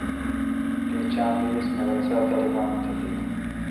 تے چام بی اس مدرسہ اے طالبان ام تہ دیت